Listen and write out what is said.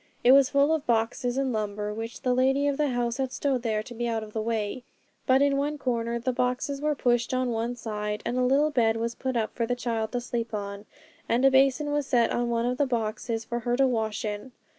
It was full of boxes and lumber, which the lady of the house had stowed there to be out of the way; but in one corner the boxes were pushed on one side, and a little bed was put up for the child to sleep on, and a basin was set on one of the boxes for her to wash in.